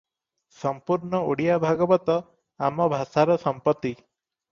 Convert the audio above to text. ସମ୍ପୂର୍ଣ୍ଣ ଓଡ଼ିଆ ଭାଗବତ ଆମ ଭାଷାର ସମ୍ପତ୍ତି ।